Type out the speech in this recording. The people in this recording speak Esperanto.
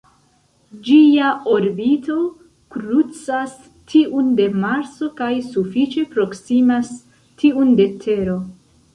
Ĝia orbito krucas tiun de Marso kaj sufiĉe proksimas tiun de Tero.